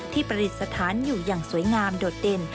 ประดิษฐานอยู่อย่างสวยงามโดดเด่น